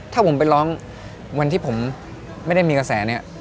ถ้าผมไปร้องวันที่ผมไม่ได้มีกระแสเนี่ย